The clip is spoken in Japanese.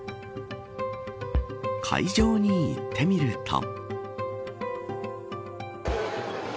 会場に行ってみると。